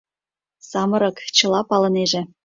Самырык, чыла палынеже.